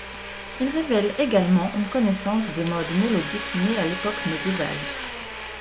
Il révèle également une connaissance des modes mélodiques nés à l'époque médiévale.